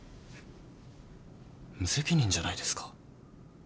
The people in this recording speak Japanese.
無責任じゃないですか。